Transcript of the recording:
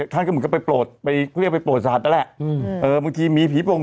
ท่านก็เหมือนกับไปโปรดไปเขาเรียกไปโปรดสัตว์นั่นแหละอืมเออบางทีมีผีโปร่ง